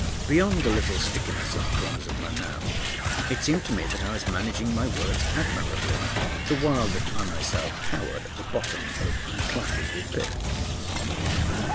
Beyond a little stickiness at the corners of my mouth, it seemed to me that I was managing my words admirably; the while that I myself cowered at the bottom of unclimbable pits.